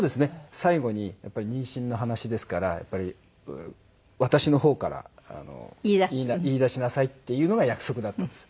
最後にやっぱり妊娠の話ですからやっぱり私の方から言い出しなさいっていうのが約束だったんですよ。